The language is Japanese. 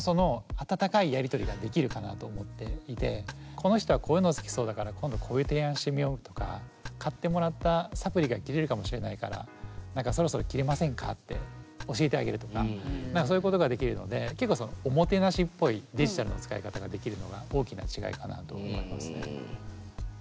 この人はこういうの好きそうだから今度こういう提案してみようとか買ってもらったサプリが切れるかもしれないからそろそろ切れませんかって教えてあげるとかそういうことができるので結構そのおもてなしっぽいデジタルの使い方ができるのが大きな違いかなと思いますね。